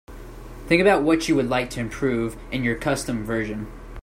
Think about what you would like to improve in your custom version.